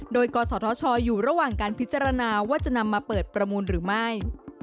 โดยกศธชอยู่ระหว่างการพิจารณาว่าจะนำมาเปิดประมูลหรือไม่